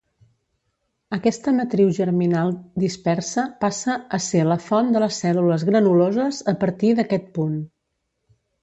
Aquesta matriu germinal dispersa passa a ser la font de les cèl·lules granuloses a partir d'aquest punt.